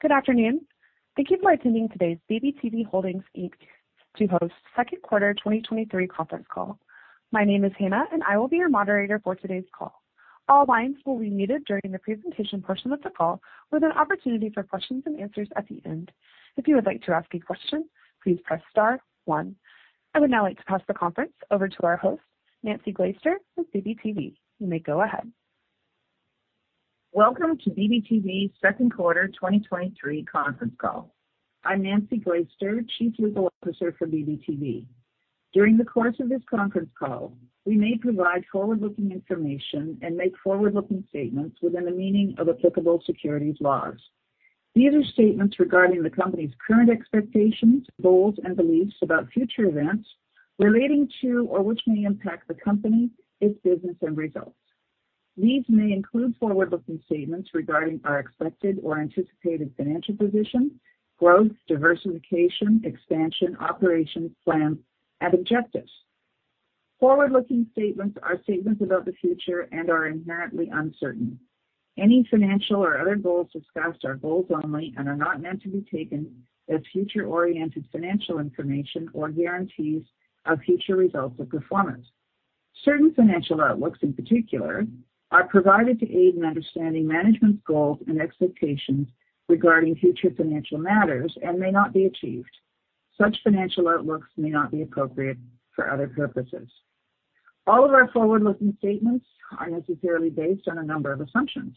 Good afternoon. Thank you for attending today's BBTV Holdings Inc. to host second quarter 2023 conference call. My name is Hannah, and I will be your moderator for today's call. All lines will be muted during the presentation portion of the call, with an opportunity for questions and answers at the end. If you would like to ask a question, please press star 1. I would now like to pass the conference over to our host, Nancy Glaister with BBTV. You may go ahead. Welcome to BBTV's second quarter 2023 conference call. I'm Nancy Glaister, Chief Legal Officer for BBTV. During the course of this conference call, we may provide forward-looking information and make forward-looking statements within the meaning of applicable securities laws. These are statements regarding the company's current expectations, goals, and beliefs about future events relating to or which may impact the company, its business, and results. These may include forward-looking statements regarding our expected or anticipated financial position, growth, diversification, expansion, operations, plans, and objectives. Forward-looking statements are statements about the future and are inherently uncertain. Any financial or other goals discussed are goals only and are not meant to be taken as future-oriented financial information or guarantees of future results or performance. Certain financial outlooks, in particular, are provided to aid in understanding management's goals and expectations regarding future financial matters and may not be achieved. Such financial outlooks may not be appropriate for other purposes. All of our forward-looking statements are necessarily based on a number of assumptions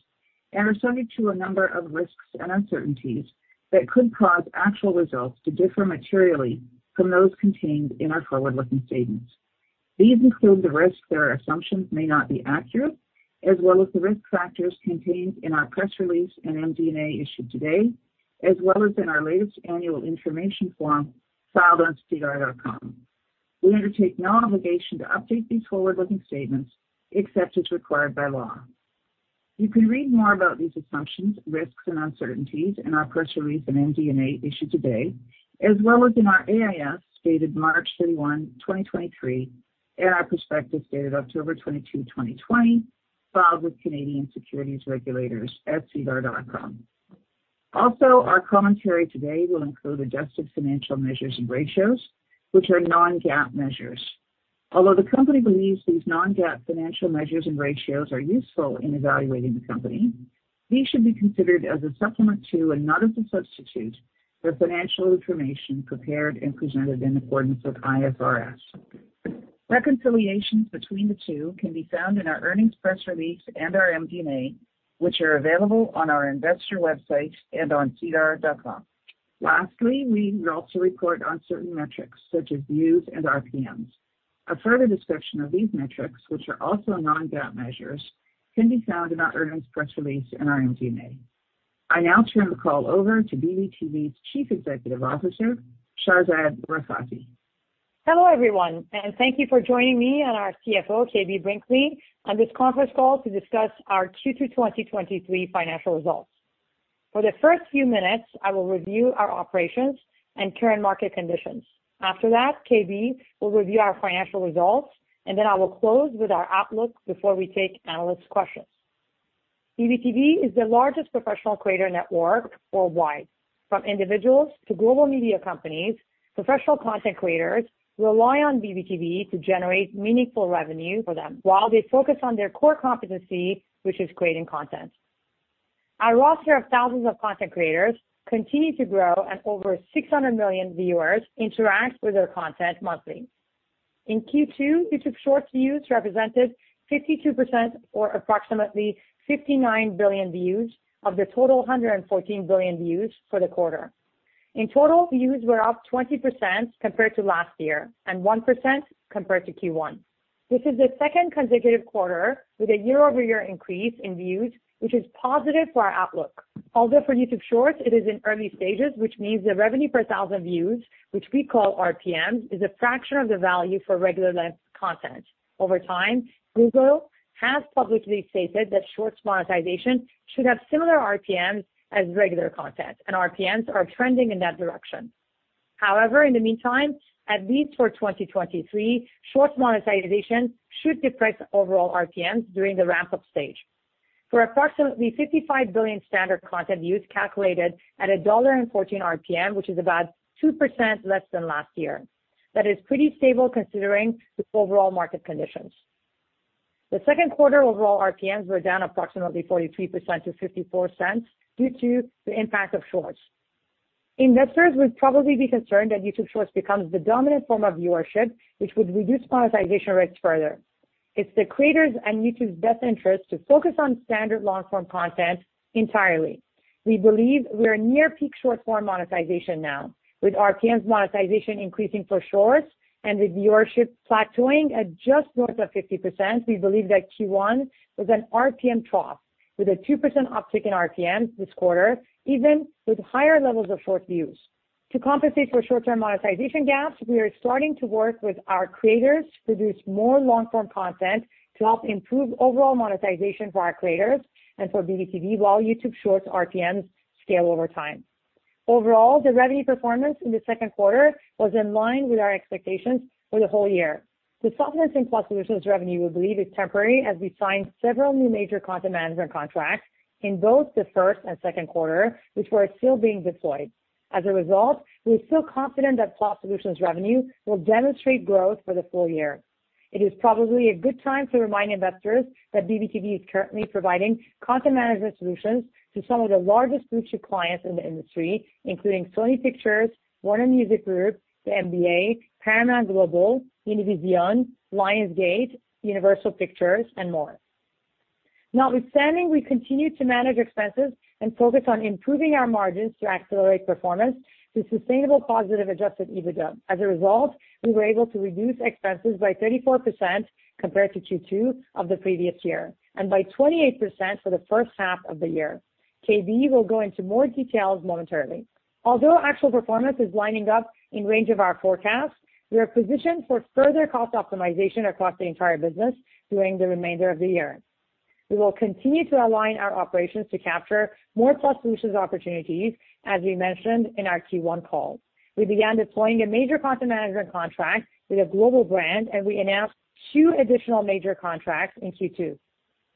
and are subject to a number of risks and uncertainties that could cause actual results to differ materially from those contained in our forward-looking statements. These include the risk that our assumptions may not be accurate, as well as the risk factors contained in our press release and MD&A issued today, as well as in our latest annual information form filed on sedar.com. We undertake no obligation to update these forward-looking statements except as required by law. You can read more about these assumptions, risks, and uncertainties in our press release and MD&A issued today, as well as in our AIF, dated March 31, 2023, and our prospectus dated October 22, 2020, filed with Canadian Securities Administrators at sedar.com. Our commentary today will include adjusted financial measures and ratios, which are non-GAAP measures. Although the company believes these non-GAAP financial measures and ratios are useful in evaluating the company, these should be considered as a supplement to and not as a substitute for financial information prepared and presented in accordance with IFRS. Reconciliations between the two can be found in our earnings press release and our MD&A, which are available on our investor website and on sedar.com. Lastly, we also report on certain metrics, such as views and RPMs. A further discussion of these metrics, which are also non-GAAP measures, can be found in our earnings press release and our MD&A. I now turn the call over to BBTV's Chief Executive Officer, Shahrzad Rafati. Hello, everyone, thank you for joining me and our CFO, KB Brinkley, on this conference call to discuss our Q2 2023 financial results. For the first few minutes, I will review our operations and current market conditions. After that, KB will review our financial results, then I will close with our outlook before we take analyst questions. BBTV is the largest professional creator network worldwide. From individuals to global media companies, professional content creators rely on BBTV to generate meaningful revenue for them while they focus on their core competency, which is creating content. Our roster of thousands of content creators continue to grow, over 600 million viewers interact with their content monthly. In Q2, YouTube Shorts views represented 52% or approximately 59 billion views of the total 114 billion views for the quarter. In total, views were up 20% compared to last year and 1% compared to Q1. This is the second consecutive quarter with a year-over-year increase in views, which is positive for our outlook. Although for YouTube Shorts, it is in early stages, which means the revenue per thousand views, which we call RPMs, is a fraction of the value for regular length content. Over time, Google has publicly stated that Shorts monetization should have similar RPMs as regular content, and RPMs are trending in that direction. However, in the meantime, at least for 2023, Shorts monetization should depress overall RPMs during the ramp-up stage. For approximately 55 billion standard content views calculated at a $1.14 RPM, which is about 2% less than last year, that is pretty stable considering the overall market conditions. The second quarter overall RPMs were down approximately 43%-$0.54 due to the impact of YouTube Shorts. Investors would probably be concerned that YouTube Shorts becomes the dominant form of viewership, which would reduce monetization rates further. It's the creators' and YouTube's best interest to focus on standard long-form content entirely. We believe we are near peak short-form monetization now, with RPMs monetization increasing for Shorts and with viewership plateauing at just north of 50%. We believe that Q1 was an RPM trough, with a 2% uptick in RPM this quarter, even with higher levels of Shorts views. To compensate for short-term monetization gaps, we are starting to work with our creators to produce more long-form content to help improve overall monetization for our creators and for BBTV, while YouTube Shorts RPMs scale over time. Overall, the revenue performance in the second quarter was in line with our expectations for the whole year. The softness in Plus Solutions revenue, we believe, is temporary, as we signed several new major Content Management contracts in both the first and second quarter, which were still being deployed. As a result, we're still confident that Plus Solutions revenue will demonstrate growth for the full year. It is probably a good time to remind investors that BBTV is currently providing Content Management solutions to some of the largest blue-chip clients in the industry, including Sony Pictures, Warner Music Group, the NBA, Paramount Global, Univision, Lionsgate, Universal Pictures, and more. Notwithstanding, we continue to manage expenses and focus on improving our margins to accelerate performance to sustainable positive adjusted EBITDA. As a result, we were able to reduce expenses by 34% compared to Q2 of the previous year, and by 28% for the first half of the year. KB will go into more details momentarily. Although actual performance is lining up in range of our forecast, we are positioned for further cost optimization across the entire business during the remainder of the year. We will continue to align our operations to capture more Plus Solutions opportunities, as we mentioned in our Q1 call. We began deploying a major Content Management contract with a global brand, and we announced two additional major contracts in Q2.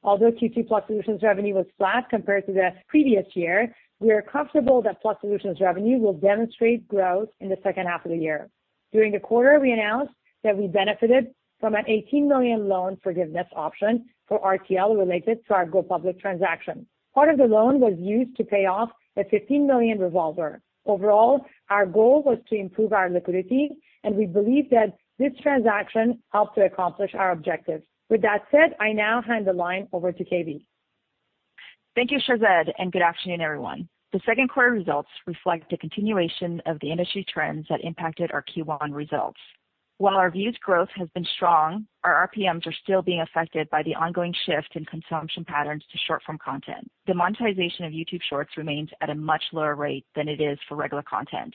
Although Q2 Plus Solutions revenue was flat compared to the previous year, we are comfortable that Plus Solutions revenue will demonstrate growth in the second half of the year. During the quarter, we announced that we benefited from an $18 million loan forgiveness option for RTL related to our go-public transaction. Part of the loan was used to pay off a $15 million revolver. Overall, our goal was to improve our liquidity, and we believe that this transaction helped to accomplish our objectives. With that said, I now hand the line over to KB. Thank you, Shahrzad, good afternoon, everyone. The second quarter results reflect the continuation of the industry trends that impacted our Q1 results. While our views growth has been strong, our RPMs are still being affected by the ongoing shift in consumption patterns to short-form content. The monetization of YouTube Shorts remains at a much lower rate than it is for regular content.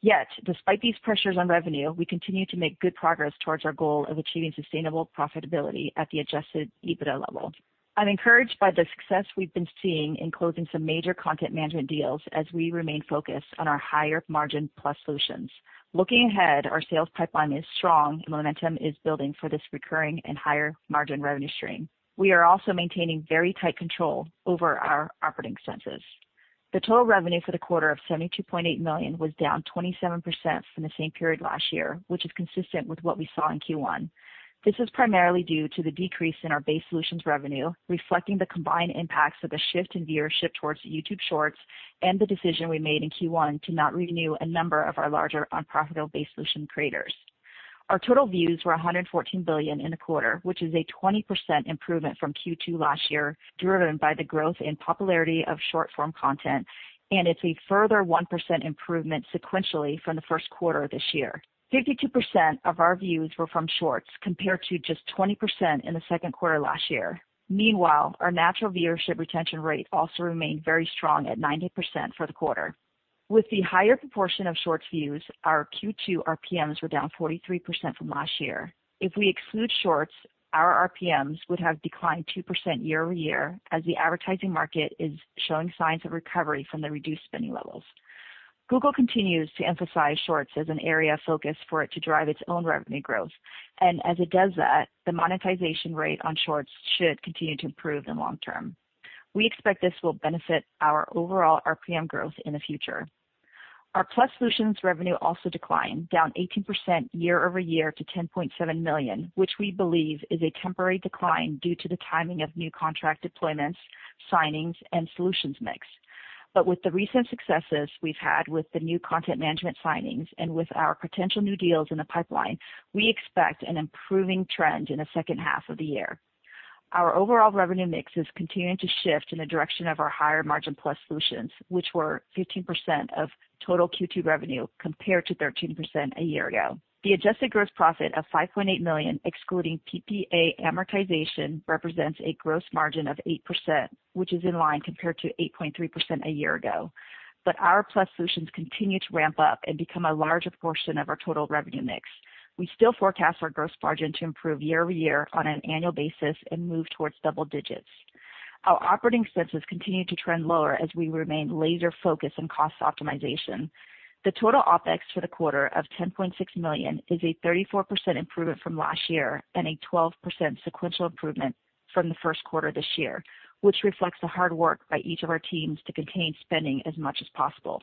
Yet, despite these pressures on revenue, we continue to make good progress towards our goal of achieving sustainable profitability at the adjusted EBITDA level. I'm encouraged by the success we've been seeing in closing some major Content Management deals as we remain focused on our higher-margin Plus Solutions. Looking ahead, our sales pipeline is strong, and momentum is building for this recurring and higher-margin revenue stream. We are also maintaining very tight control over our operating expenses. The total revenue for the quarter of $72.8 million was down 27% from the same period last year, which is consistent with what we saw in Q1. This is primarily due to the decrease in our Base Solutions revenue, reflecting the combined impacts of the shift in viewership towards YouTube Shorts and the decision we made in Q1 to not renew a number of our larger unprofitable Base Solution creators. Our total views were 114 billion in the quarter, which is a 20% improvement from Q2 last year, driven by the growth in popularity of short-form content, and it's a further 1% improvement sequentially from the first quarter this year. 52% of our views were from Shorts, compared to just 20% in the second quarter last year. Meanwhile, our natural viewership retention rate also remained very strong at 90% for the quarter. With the higher proportion of Shorts views, our Q2 RPMs were down 43% from last year. If we exclude Shorts, our RPMs would have declined 2% year-over-year, as the advertising market is showing signs of recovery from the reduced spending levels. Google continues to emphasize Shorts as an area of focus for it to drive its own revenue growth. As it does that, the monetization rate on Shorts should continue to improve in the long term. We expect this will benefit our overall RPM growth in the future. Our Plus Solutions revenue also declined, down 18% year-over-year to $10.7 million, which we believe is a temporary decline due to the timing of new contract deployments, signings, and solutions mix. With the recent successes we've had with the new Content Management signings and with our potential new deals in the pipeline, we expect an improving trend in the second half of the year. Our overall revenue mix is continuing to shift in the direction of our higher-margin Plus Solutions, which were 15% of total Q2 revenue, compared to 13% a year ago. The adjusted gross profit of $5.8 million, excluding PPA amortization, represents a gross margin of 8%, which is in line compared to 8.3% a year ago. Our Plus Solutions continue to ramp up and become a larger portion of our total revenue mix. We still forecast our gross margin to improve year-over-year on an annual basis and move towards double digits. Our Operating Expenses continue to trend lower as we remain laser-focused on cost optimization. The total OpEx for the quarter of $10.6 million is a 34% improvement from last year and a 12% sequential improvement from the first quarter this year, which reflects the hard work by each of our teams to contain spending as much as possible.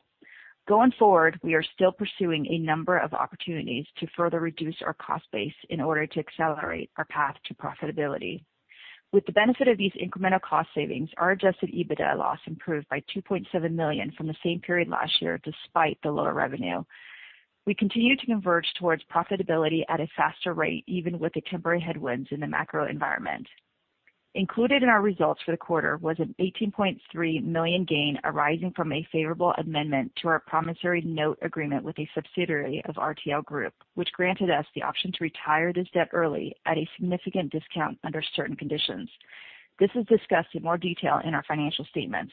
Going forward, we are still pursuing a number of opportunities to further reduce our cost base in order to accelerate our path to profitability. With the benefit of these incremental cost savings, our adjusted EBITDA loss improved by $2.7 million from the same period last year, despite the lower revenue. We continue to converge towards profitability at a faster rate, even with the temporary headwinds in the macro environment. Included in our results for the quarter was a 18.3 million gain arising from a favorable amendment to our promissory note agreement with a subsidiary of RTL Group, which granted us the option to retire this debt early at a significant discount under certain conditions. This is discussed in more detail in our financial statements.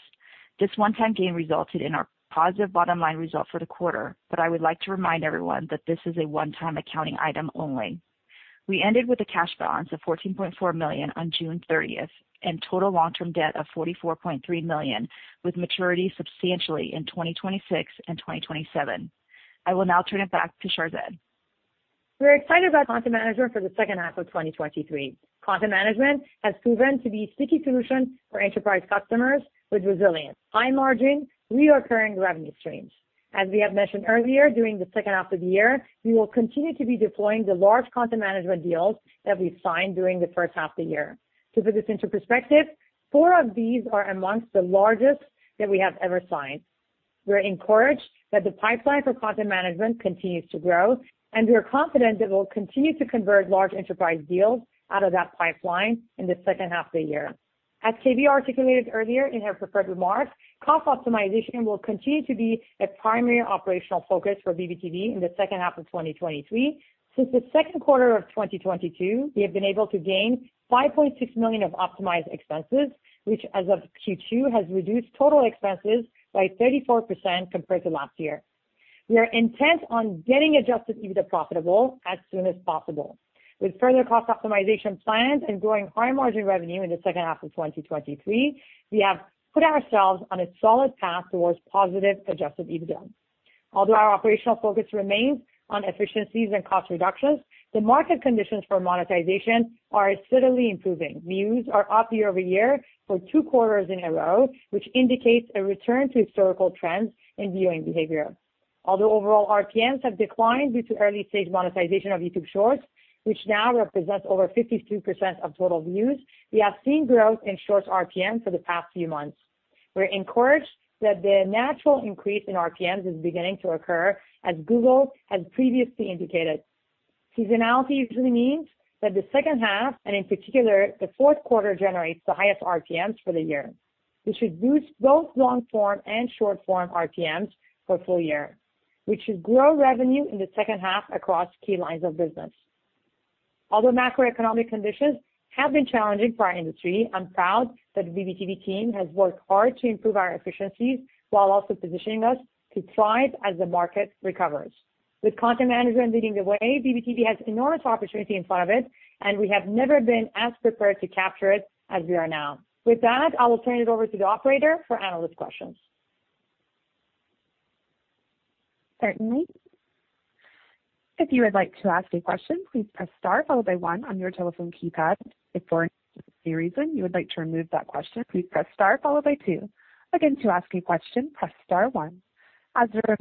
This one-time gain resulted in our positive bottom-line result for the quarter, but I would like to remind everyone that this is a one-time accounting item only. We ended with a cash balance of 14.4 million on June thirtieth, and total long-term debt of 44.3 million, with maturity substantially in 2026 and 2027. I will now turn it back to Shahrzad. We're excited about Content Management for the second half of 2023. Content Management has proven to be a sticky solution for enterprise customers, with resilient, high margin, recurring revenue streams. As we have mentioned earlier, during the second half of the year, we will continue to be deploying the large Content Management deals that we signed during the first half of the year. To put this into perspective, four of these are amongst the largest that we have ever signed. We're encouraged that the pipeline for Content Management continues to grow, and we are confident that we'll continue to convert large enterprise deals out of that pipeline in the second half of the year. As KB articulated earlier in her prepared remarks, cost optimization will continue to be a primary operational focus for BBTV in the second half of 2023. Since the second quarter of 2022, we have been able to gain $5.6 million of optimized expenses, which as of Q2, has reduced total expenses by 34% compared to last year. We are intent on getting adjusted EBITDA profitable as soon as possible. With further cost optimization plans and growing high-margin revenue in the second half of 2023, we have put ourselves on a solid path towards positive adjusted EBITDA. Although our operational focus remains on efficiencies and cost reductions, the market conditions for monetization are steadily improving. Views are up year-over-year for two quarters in a row, which indicates a return to historical trends in viewing behavior. Although overall RPMs have declined due to early stage monetization of YouTube Shorts, which now represents over 52% of total views, we have seen growth in Shorts RPM for the past few months. We're encouraged that the natural increase in RPMs is beginning to occur, as Google has previously indicated. Seasonality usually means that the second half, and in particular, the fourth quarter, generates the highest RPMs for the year. This should boost both long form and short form RPMs for full year, which should grow revenue in the second half across key lines of business. Although macroeconomic conditions have been challenging for our industry, I'm proud that the BBTV team has worked hard to improve our efficiencies while also positioning us to thrive as the market recovers. With Content Management leading the way, BBTV has enormous opportunity in front of it, and we have never been as prepared to capture it as we are now. With that, I will turn it over to the operator for analyst questions. Certainly. If you would like to ask a question, please press star followed by 1 on your telephone keypad. If for any reason you would like to remove that question, please press star followed by 2. Again, to ask a question, press star 1. As a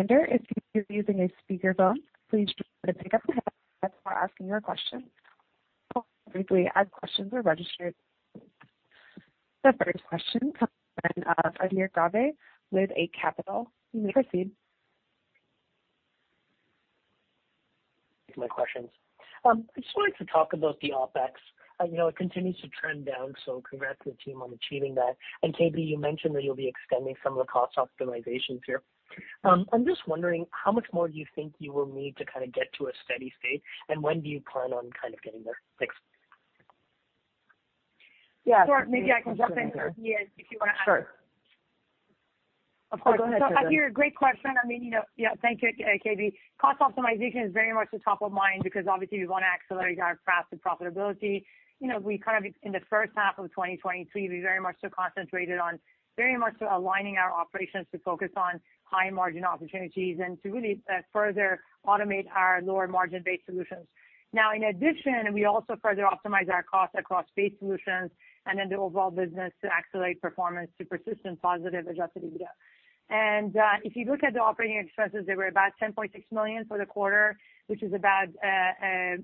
reminder, if you're using a speakerphone, please drop or pick up the headset before asking your question. Briefly, as questions are registered. The first question comes in from Adhir Kadve with Eight Capital, you may proceed. My questions. I just wanted to talk about the OpEx. I know it continues to trend down, so congrats to the team on achieving that. KB, you mentioned that you'll be extending some of the cost optimizations here. I'm just wondering, how much more do you think you will need to kind of get to a steady state, and when do you plan on kind of getting there? Thanks. Yeah, maybe I can jump in here, if you want to add. Sure. Of course. Go ahead, Shahrzad. Adhir, great question. I mean, you know, yeah, thank you, KB. Cost optimization is very much the top of mind because obviously we want to accelerate our path to profitability. You know, we kind of, in the first half of 2023, we very much so concentrated on very much so aligning our operations to focus on high margin opportunities and to really further automate our lower margin Base Solutions. In addition, we also further optimize our costs across Base Solutions and in the overall business to accelerate performance to persistent positive adjusted EBITDA. If you look at the operating expenses, they were about $10.6 million for the quarter, which is about,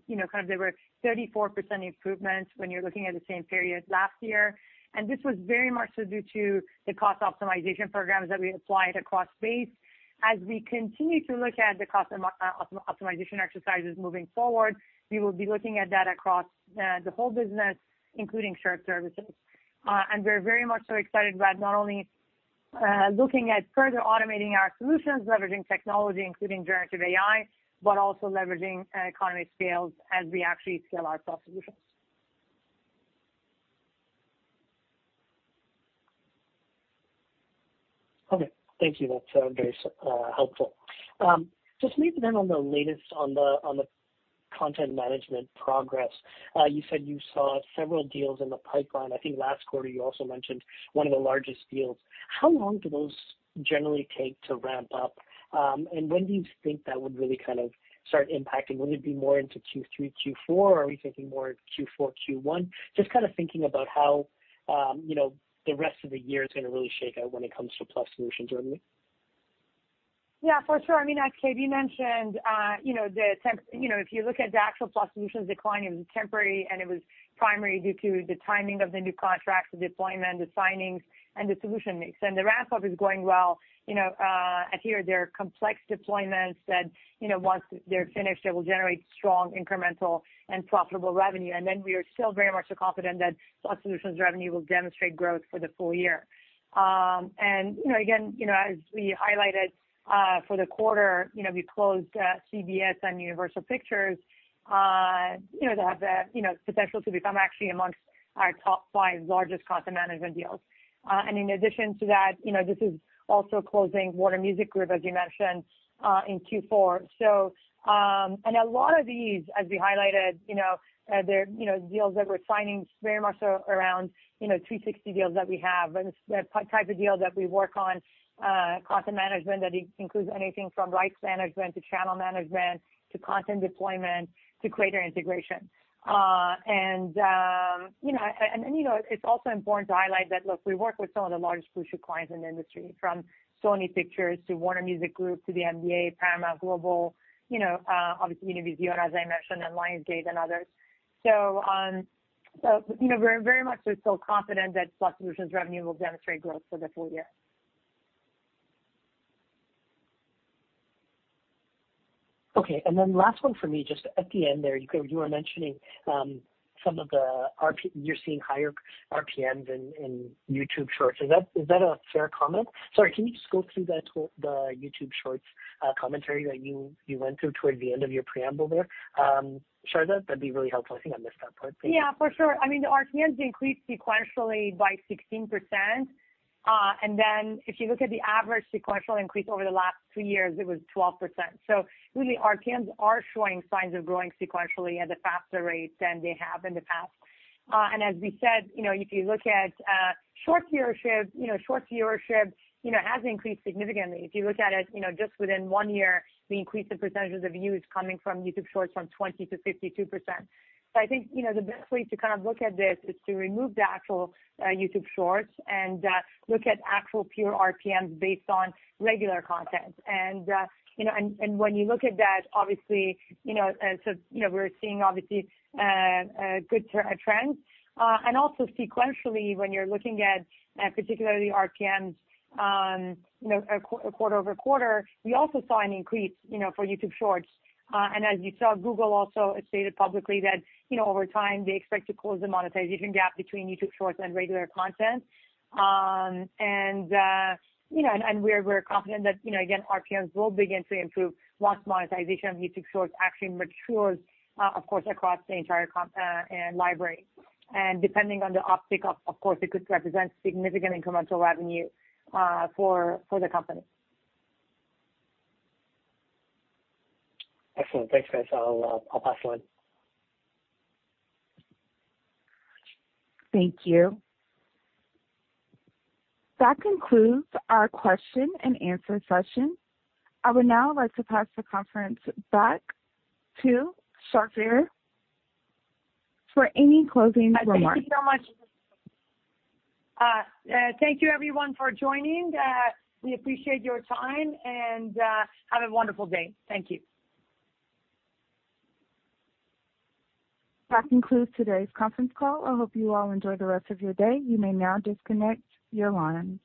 you know, kind of there were 34% improvements when you're looking at the same period last year. This was very much so due to the cost optimization programs that we applied across Base Solutions. As we continue to look at the cost optimization exercises moving forward, we will be looking at that across the whole business, including shared services. We're very much so excited about not only looking at further automating our solutions, leveraging technology, including generative AI, but also leveraging economies of scale as we actually scale our Plus Solutions. Okay, thank you. That's very helpful. Just maybe then on the latest on the Content Management progress. You said you saw several deals in the pipeline. I think last quarter you also mentioned one of the largest deals. How long do those generally take to ramp up? When do you think that would really kind of start impacting? Would it be more into Q3, Q4, or are we thinking more Q4, Q1? Just kind of thinking about how, you know, the rest of the year is going to really shake out when it comes to Plus Solutions revenue. Yeah, for sure. I mean, as KB mentioned, you know, if you look at the actual Plus Solutions decline, it was temporary, and it was primarily due to the timing of the new contracts, the deployment, the signings, and the solution mix, and the ramp-up is going well. You know, here there are complex deployments that, you know, once they're finished, it will generate strong incremental and profitable revenue. We are still very much so confident that Plus Solutions revenue will demonstrate growth for the full year. You know, again, you know, as we highlighted, for the quarter, you know, we closed CBS and Universal Pictures, you know, to have the, you know, potential to become actually amongst our top five largest Content Management deals. In addition to that, you know, this is also closing Warner Music Group, as you mentioned, in Q4. And a lot of these, as we highlighted, you know, they're, you know, deals that we're signing very much so around, you know, 360 deals that we have, and the type of deal that we work on, Content Management, that includes anything from rights management to channel management, to content deployment, to greater integration. And, you know, and, and, you know, it's also important to highlight that, look, we work with some of the largest crucial clients in the industry, from Sony Pictures to Warner Music Group to the NBA, Paramount Global, you know, obviously, Univision, as I mentioned, and Lionsgate and others. you know, we're very much we're still confident that Plus Solutions revenue will demonstrate growth for the full year. Okay, and then last one for me, just at the end there, you go, you were mentioning, some of the RP- you're seeing higher RPMs in, in YouTube Shorts. Is that, is that a fair comment? Sorry, can you just go through that the YouTube Shorts commentary that you, you went through toward the end of your preamble there? Shahrzad, that'd be really helpful. I think I missed that part. Yeah, for sure. I mean, the RPMs increased sequentially by 16%. Then if you look at the average sequential increase over the last two years, it was 12%. Really, RPMs are showing signs of growing sequentially at a faster rate than they have in the past. As we said, you know, if you look at short viewership, short viewership has increased significantly. If you look at it, you know, just within one year, the increase in percentages of views coming from YouTube Shorts from 20%-52%. I think, you know, the best way to kind of look at this is to remove the actual YouTube Shorts and look at actual pure RPMs based on regular content. You know, and, and when you look at that, obviously, you know, so, you know, we're seeing obviously, a good trend. Also sequentially, when you're looking at, particularly RPMs on, you know, a quarter-over-quarter, we also saw an increase, you know, for YouTube Shorts. As you saw, Google also has stated publicly that, you know, over time, they expect to close the monetization gap between YouTube Shorts and regular content. You know, and, and we're, we're confident that, you know, again, RPMs will begin to improve once monetization of YouTube Shorts actually matures, of course, across the entire library. Depending on the uptick, of course, it could represent significant incremental revenue for the company. Excellent. Thanks, guys. I'll, I'll pass on. Thank you. That concludes our question and answer session. I would now like to pass the conference back to Shahrzad for any closing remarks. Thank you so much. Thank you everyone for joining. We appreciate your time and have a wonderful day. Thank you. That concludes today's conference call. I hope you all enjoy the rest of your day. You may now disconnect your lines.